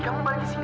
kamu balik sini